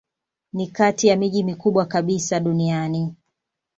Ni kati ya miji mikubwa kabisa duniani.